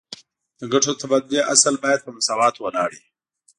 د ګټو د تبادلې اصل باید په مساواتو ولاړ وي